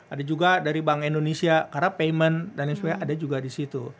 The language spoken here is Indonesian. ada juga dari bank indonesia karena payment dan lain sebagainya ada juga di situ